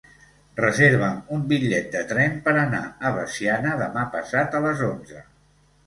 Reserva'm un bitllet de tren per anar a Veciana demà passat a les onze.